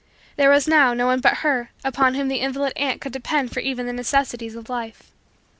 There was, now, no one but her upon whom the invalid aunt could depend for even the necessities of life.